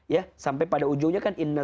ya sampai pada ujungnya kan